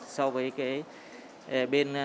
so với cái bên